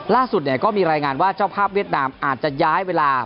ล่าสุดก็มีรายงานว่าเจ้าภาพเวียดนามอาจจะย้ายเวลา